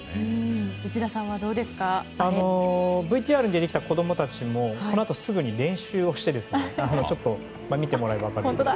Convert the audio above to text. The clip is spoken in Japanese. ＶＴＲで出てきた子供たちもそのあとすぐ練習をしてちょっと見てもらえれば分かるんですけど。